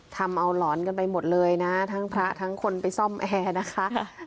ทำเอาหลอนกันไปหมดเลยนะทั้งพระทั้งคนไปซ่อมแอร์นะคะ